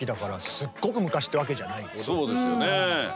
そうですよね。